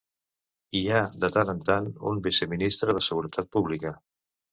Hi ha de tant en tant un viceministre de Seguretat Pública.